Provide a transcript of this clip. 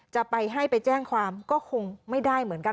จะไปให้ไปแจ้งความก็คงไม่ได้เหมือนกัน